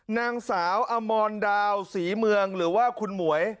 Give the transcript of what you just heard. นางสาวอมรดาวศรีเมืองหรือว่าคุณหมวย